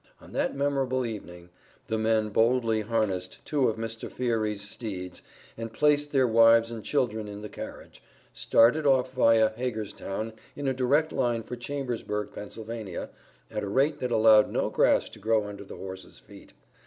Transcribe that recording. On that memorable evening, the men boldly harnessed two of Mr. Fiery's steeds and placing their wives and children in the carriage, started off viâ Hagerstown, in a direct line for Chambersburg, Pennsylvania, at a rate that allowed no grass to grow under the horses' feet.